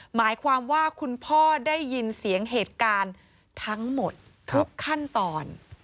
หมายความว่าคุณพ่อได้ยินเสียงเหตุการณ์ทั้งหมดทุกขั้นตอน